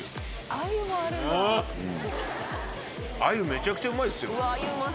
めちゃくちゃうまいっすよ。